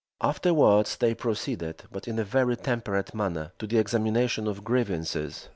Afterwards they proceeded, but in a very temperate manner, to the examination of grievances.